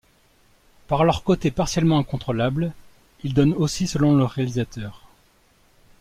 Par leur côté partiellement incontrôlable, ils donnent aussi selon le réalisateur.